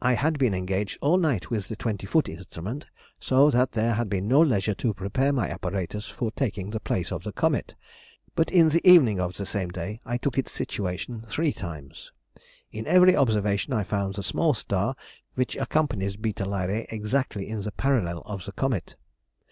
I had been engaged all night with the twenty foot instrument, so that there had been no leisure to prepare my apparatus for taking the place of the comet; but in the evening of the same day I took its situation three times.... In every observation I found the small star which accompanies β Lyræ exactly in the parallel of the comet.